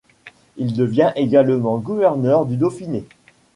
Il devient également gouverneur du Dauphiné.